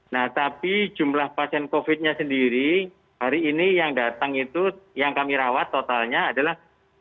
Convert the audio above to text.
nah tapi jumlah pasien covid sembilan belas nya sendiri hari ini yang datang itu yang kami rawat totalnya adalah satu ratus dua puluh sembilan